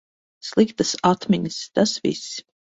Sliktas atmiņas, tas viss.